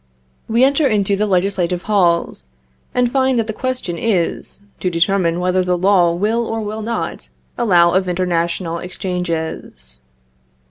We enter into the legislative halls, and find that the question is, to determine whether the law will or will not allow of international exchanges.